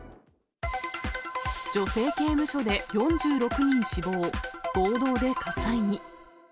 女性刑務所で４６人死亡、暴動で火災に。